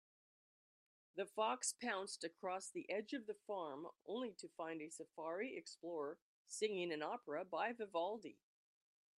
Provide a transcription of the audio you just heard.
The fox pounced across the edge of the farm, only to find a safari explorer singing an opera by Vivaldi.